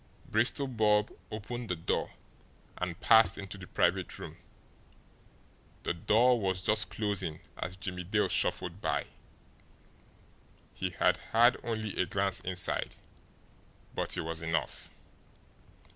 Bristol Bob opened the door and passed into the private room the door was just closing as Jimmie Dale shuffled by. He had had only a glance inside but it was enough.